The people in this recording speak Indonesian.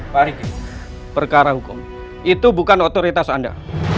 pak riki perkara hukum itu bukan otoritas anda